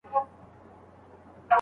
خپلې موخې ته د رسیدو لپاره کار وکړئ.